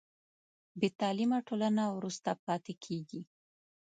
بې تعلیمه ټولنه وروسته پاتې کېږي.